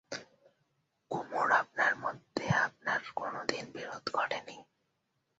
কুমুর আপনার মধ্যে আপনার কোনোদিন বিরোধ ঘটে নি।